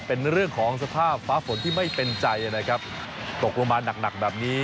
เป็นเรื่องของสภาพฟ้าฝนที่ไม่เป็นใจนะครับตกลงมาหนักหนักแบบนี้